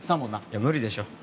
いや無理でしょ